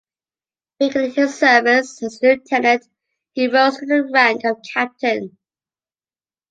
Beginning his service as a lieutenant, he rose to the rank of Captain.